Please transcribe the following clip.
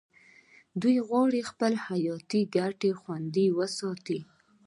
دوی غواړي خپلې حیاتي ګټې خوندي وساتي